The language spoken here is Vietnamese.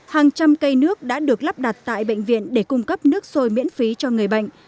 hàng trăm cây nước đã được lắp đặt tại bệnh viện để cung cấp nước sôi miễn phí cho người bệnh